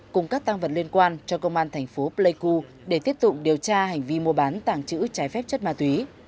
cùng các tăng vật liên quan cho công an thành phố pleiku để tiếp tục điều tra hành vi mua bán tàng trữ trái phép chất ma túy